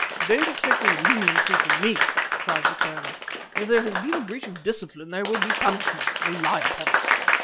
"Don't expect any leniency from me!" cried the Colonel. "If there has been a breach of discipline there will be punishment, rely upon it!"